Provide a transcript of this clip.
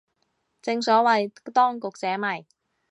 正所謂當局者迷